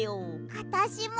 あたしも。